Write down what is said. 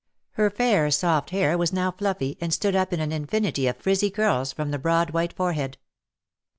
Her fair, soft hair was now fluffy, and stood up in an infinity of frizzy curls from the broad white fore head.